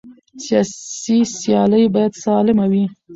سیاسي سیالۍ باید سالمه وي